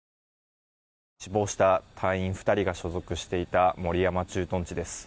死亡した隊員２人が所属していた守山駐屯地です。